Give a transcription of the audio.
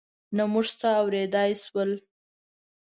نه موږ څه اورېدای شول.